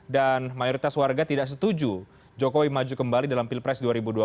dan mayoritas warga tidak setuju jokowi maju kembali dalam pilpres dua ribu dua puluh empat